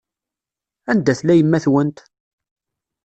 Anda tella yemma-twent?